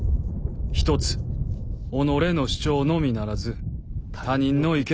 一つ己の主張のみならず他人の意見を褒めよ」。